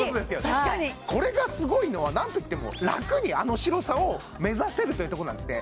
確かにこれがすごいのは何といっても楽にあの白さを目指せるというとこなんですね